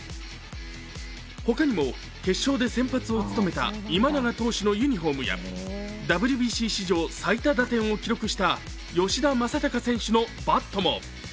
ほかにも、決勝で先発を務めた今永投手のユニフォームやＷＢＣ史上最多打点を記録した吉田正尚選手のバットも。